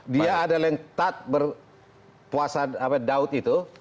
dia adalah yang tat berpuasa daud itu